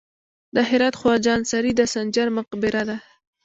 د هرات خواجه انصاري د سنجر مقبره ده